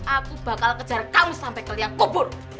aku bakal kejar kamu sampai kalian kubur